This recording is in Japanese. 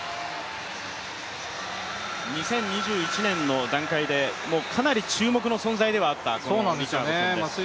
２０２１年の段階でかなり注目の存在ではあったリチャードソンです。